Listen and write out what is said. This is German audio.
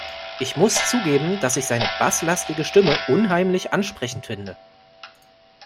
Ich muss zugeben, dass ich seine basslastige Stimme unheimlich ansprechend finde.